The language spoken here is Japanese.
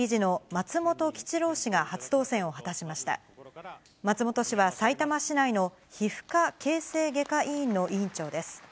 松本氏はさいたま市内の皮膚科形成外科医院の院長です。